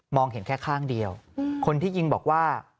เห็นแค่ข้างเดียวคนที่ยิงบอกว่า